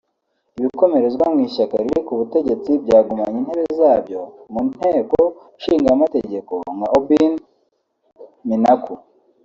Ibikomerezwa mu ishyaka riri ku butegetsi byagumanye intebe zabyo mu nteko nshingamateka nka Aubin Minaku